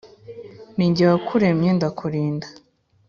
ni jye wakuremye ndakurinda